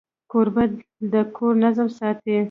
کوربه د کور نظم ساتي.